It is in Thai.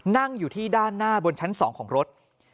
นั่งอยู่ที่ด้านหน้าบนชั้น๒ของรถ